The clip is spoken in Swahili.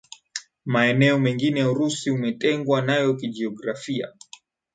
maeneo mengine ya Urusi umetengwa nayo kijiografia